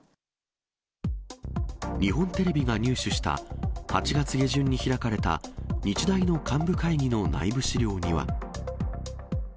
日本テレビが入手した、８月下旬に開かれた日大の幹部会議の内部資料には。